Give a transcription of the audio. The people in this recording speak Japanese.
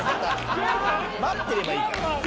「待ってればいいから」